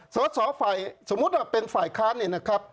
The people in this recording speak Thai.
สอสอฝ่ายสมมุติว่าเป็นฝ่ายค้านเนี่ยนะครับ